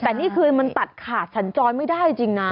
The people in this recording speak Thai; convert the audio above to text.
แต่นี่คือมันตัดขาดสัญจรไม่ได้จริงนะ